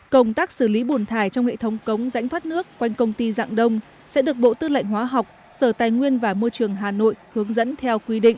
công tác xử lý bùn thải trong hệ thống cống rãnh thoát nước quanh công ty dạng đông sẽ được bộ tư lệnh hóa học sở tài nguyên và môi trường hà nội hướng dẫn theo quy định